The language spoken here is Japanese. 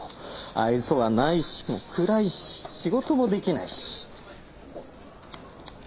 愛想はないし暗いし仕事もできないし。